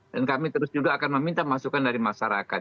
dan kami terus juga akan meminta masukan dari masyarakat